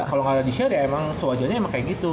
kalo ga ada di share ya emang sewajarnya emang kaya gitu